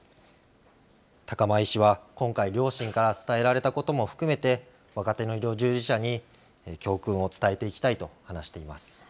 高間医師は今回、両親から伝えられたことも含めて、若手の医療従事者に教訓を伝えていきたいと話しています。